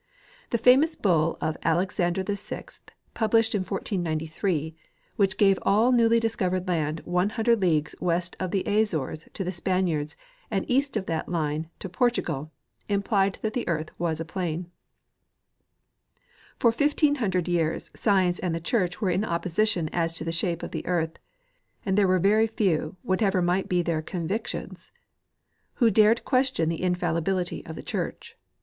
The famous bull of Alexander VI, published in 1493, Avhich gave all newly discovered land one hundred leagues west of the Azores to the Spaniards and all east of that line'j to Portugal, im plied that the earth was a plain. For 1,500 years science and the church were in opposition as to the shape of the earth, and there were very few, whatever might be their convictions, who dared question the infallibility of the church.